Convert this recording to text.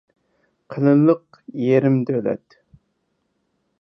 قېلىنلىق يېرىم دۆلەت.